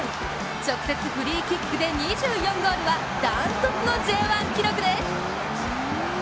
直接フリーキックで２４ゴールは断トツのＪ１記録です。